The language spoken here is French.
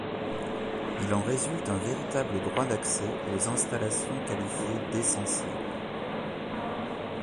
Il en résulte un véritable droit d'accès aux installations qualifiées d'essentielles.